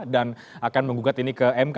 dan akan mengugat ini ke mk